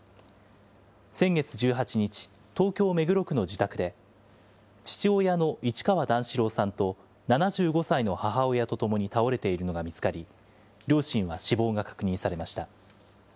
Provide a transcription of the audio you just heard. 先月１８日、東京・目黒区の自宅で、父親の市川段四郎さんと、７５歳の母親とともに倒れているのが見つかり、両親は死亡が確認されました。